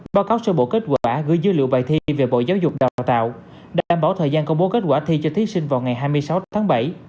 báo cáo sơ bộ kết quả gửi dữ liệu bài thi về bộ giáo dục đào tạo đảm bảo thời gian công bố kết quả thi cho thí sinh vào ngày hai mươi sáu tháng bảy